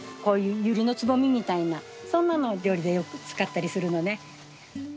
こういうユリのつぼみみたいなそんなのを料理でよく使ったりするのね。